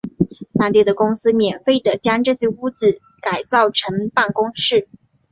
当地的公司免费地将这些屋子改造成办公室。